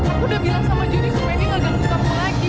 aku udah bilang sama jody supaya dia gak gampang sama aku lagi